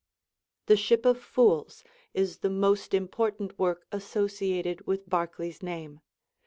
'The Ship of Fools' is the most important work associated with Barclay's name.